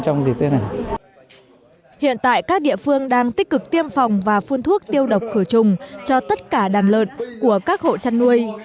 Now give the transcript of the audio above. hiện tại các địa phương đang tích cực tiêm phòng và phun thuốc tiêu độc khử trùng cho tất cả đàn lợn của các hộ chăn nuôi